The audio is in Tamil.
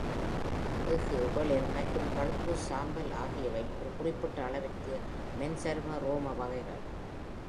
எஃகு, வெளிர் மற்றும் பழுப்பு சாம்பல் ஆகியவை ஒரு குறிப்பிட்ட அளவிற்கு மென்சரும ரோம வகைகள்.